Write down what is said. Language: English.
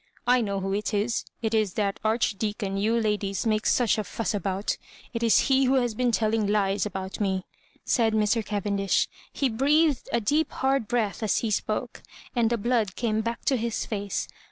I know who it is. It is that Archdeacon you ladies make such a fuss about. It is he who has been telling lies about me," said Mr. Cavendish. He breathed a deep hard breath as he spoke, and, the blood came back to his face.